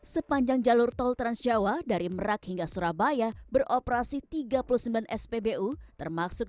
sepanjang jalur tol transjawa dari merak hingga surabaya beroperasi tiga puluh sembilan spbu termasuk